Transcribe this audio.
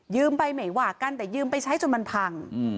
ไปไม่ว่ากันแต่ยืมไปใช้จนมันพัง